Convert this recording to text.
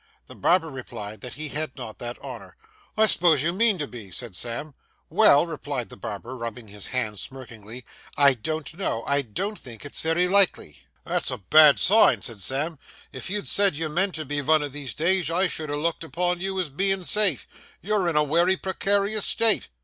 The barber replied that he had not that honour. 'I s'pose you mean to be?' said Sam. 'Well,' replied the barber, rubbing his hands smirkingly, 'I don't know, I don't think it's very likely.' 'That's a bad sign,' said Sam; 'if you'd said you meant to be vun o' these days, I should ha' looked upon you as bein' safe. You're in a wery precarious state.